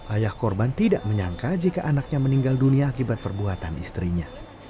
ayah korban tidak menyangka jika anaknya meninggal dunia akibat perbuatan istrinya